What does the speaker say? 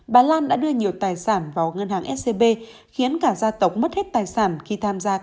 bà lan đã đưa nhiều tài sản vào ngân hàng scb khiến cả gia tộc mất hết tài sản khi tham gia